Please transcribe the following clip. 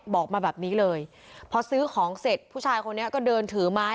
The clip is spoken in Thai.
บอกมาแบบนี้เลยพอซื้อของเสร็จผู้ชายคนนี้ก็เดินถือไม้